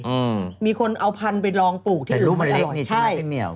เออมีคนเอาพันธุ์ไปลองปลูกที่อื่นแต่ลูกมันเล็กนี่ใช่ไหมครับเพี้ยว